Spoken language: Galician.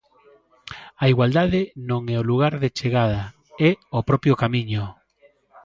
A igualdade non é o lugar de chegada, é o propio camiño.